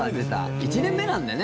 １年目なんだよね？